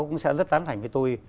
cũng sẽ rất tán thành với tôi